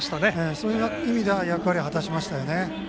そういう意味では役割を果たしましたね。